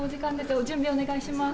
お準備お願いします。